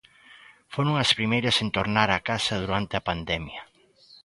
"Foron as primeiras en tornar á casa durante a pandemia".